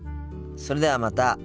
それではまた。